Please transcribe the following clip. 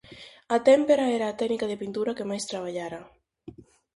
A témpera era a técnica de pintura que máis traballara.